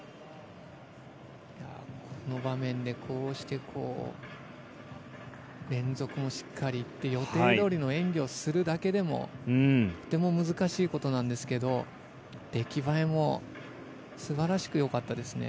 この場面でこうして連続でしっかりいって予定どおりの演技をするだけでもとても難しいことなんですけど出来栄えも素晴らしくよかったですね。